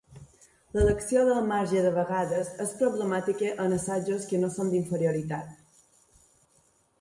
L'elecció del marge de vegades és problemàtica en assajos que no són d'inferioritat.